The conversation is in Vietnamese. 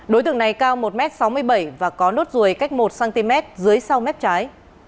đối tượng này cao một m sáu mươi bảy và có nốt ruồi cách một cm dưới sau mép trái